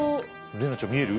怜奈ちゃん見える？